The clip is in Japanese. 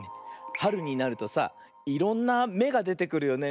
はるになるとさいろんなめがでてくるよね。